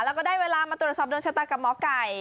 แล้วก็ได้เวลามาตรวจสอบโดนชะตากับหมอไก่